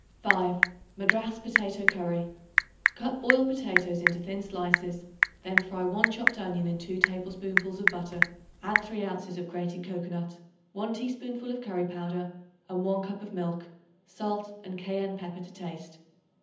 5. Madras Potato Curry. Cut boiled potatoes into thin slices; then fry 1 chopped onion in 2 tablespoonfuls of butter. Add 3 ounces of grated cocoanut, 1 teaspoonful of curry powder and 1 cup of milk, salt and cayenne pepper to taste.